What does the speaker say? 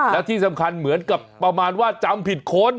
แล้วที่สำคัญเหมือนกับประมาณว่าจำผิดคน